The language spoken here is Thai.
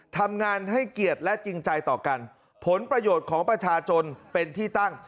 ทำงานให้เกียรติและจริงใจต่อกันผลประโยชน์ของประชาชนเป็นที่ตั้ง